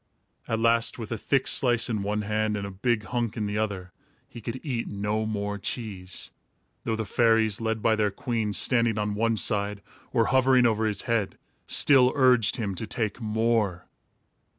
At last, with a thick slice in one hand and a big hunk in the other, he could eat no more cheese; though the fairies, led by their queen, standing on one side, or hovering over his head, still urged him to take more.